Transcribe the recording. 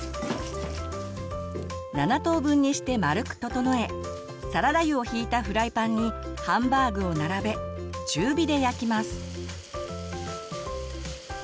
７等分にして丸く整えサラダ油をひいたフライパンにハンバーグを並べ中火で焼きます。